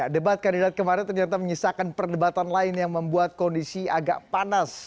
debat kandidat kemarin ternyata menyisakan perdebatan lain yang membuat kondisi agak panas